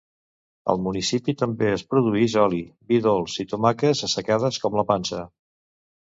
Al municipi també es produïx oli, vi dolç i tomaques assecades com la pansa.